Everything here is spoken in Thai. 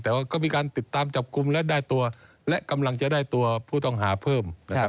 แต่ว่าก็มีการติดตามจับกลุ่มและได้ตัวและกำลังจะได้ตัวผู้ต้องหาเพิ่มนะครับ